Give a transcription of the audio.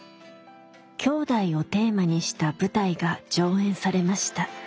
「きょうだい」をテーマにした舞台が上演されました。